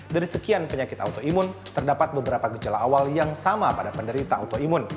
dari sekian penyakit autoimun terdapat beberapa gejala awal yang sama pada penderita autoimun